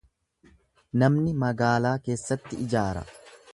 Namni magaalaa keessatti ijaara.